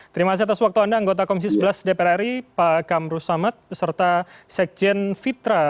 terima kasih atas waktu anda anggota komisi sebelas dpr ri pak kamrus samad serta sekjen fitra